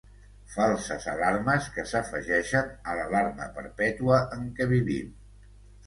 Falses alarmes que s'afegeixen a l'alarma perpètua en què vivim.